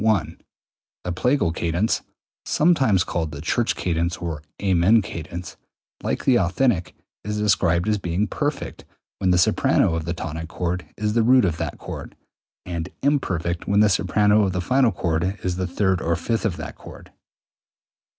The plagal cadence (sometimes called the church cadence, or amen cadence), like the authentic, is described as being perfect when the soprano of the tonic chord is the root of that chord, and imperfect when the soprano of the final chord is the third or fifth of that chord.